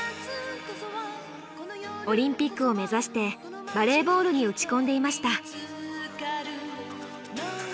オリンピックを目指してバレーボールに打ち込んでいました。